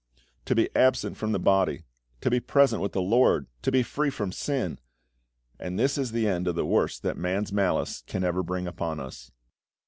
To be absent from the body! to be present with the LORD! to be free from sin! And this is the end of the worst that man's malice can ever bring upon us.